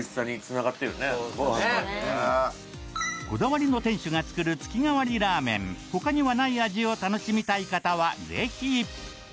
確かにねこだわりの店主が作る月替わりラーメンほかにはない味を楽しみたい方はぜひ！